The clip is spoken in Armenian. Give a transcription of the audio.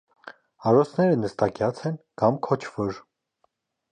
Արոսները նստակյաց են կամ քոչվոր։